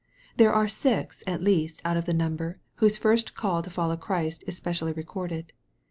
There are six, at least, out of the number, whose first call to follow Christ is specially recorded.